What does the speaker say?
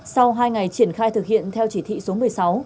sau hai ngày triển khai thực hiện theo chỉ thị số một mươi sáu